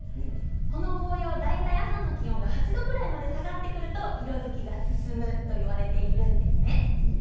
この紅葉は朝の気温８度くらいまで下がってくると色つきが進むといわれています。